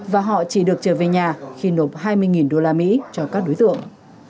và họ chỉ được trở về nhà khi nộp hai mươi đô la mỹ cho các đối tượng